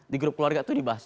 di grup keluarga itu dibahas